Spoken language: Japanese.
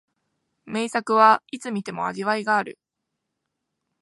名作はいつ観ても味わいがある